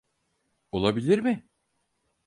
Olabilir mi?